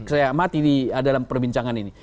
saya amati di dalam perbincangan ini